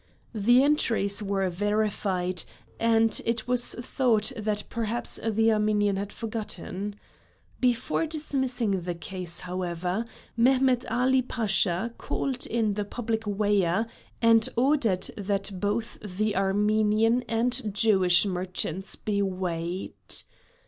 The entries were verified, and it was thought that perhaps the Armenian had forgotten. Before dismissing the case, however, Mehmet Ali Pasha called in the Public Weigher and ordered that both the Armenian and Jewish merchants be weighed.